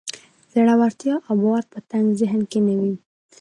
زړورتيا او باور په تنګ ذهن کې نه وي.